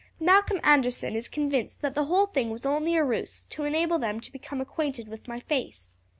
Malcolm Anderson is convinced that the whole thing was only a ruse to enable them to become acquainted with my face.